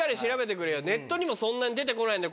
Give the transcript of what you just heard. ネットにもそんなに出て来ないんだよ